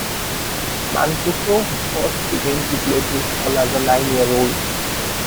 Mancuso first began to play baseball as a nine-year-old.